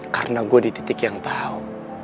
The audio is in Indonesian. karena gue di titik yang tahu